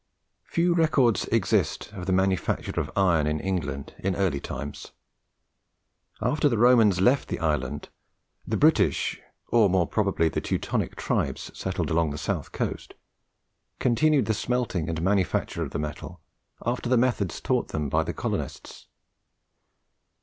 Few records exist of the manufacture of iron in England in early times. After the Romans left the island, the British, or more probably the Teutonic tribes settled along the south coast, continued the smelting and manufacture of the metal after the methods taught them by the colonists.